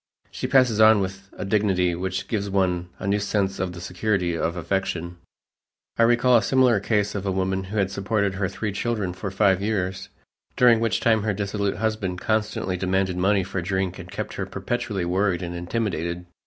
She passes on with a dignity which gives one a new sense of the security of affection. I recall a similar case of a woman who had supported her three children for five years, during which time her dissolute husband constantly demanded money for drink and kept her perpetually worried and intimidated.